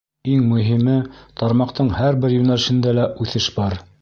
Иң мөһиме — тармаҡтың һәр бер йүнәлешендә лә үҫеш бар.